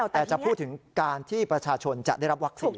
แต่จะพูดถึงการที่ประชาชนจะได้รับวัคซีน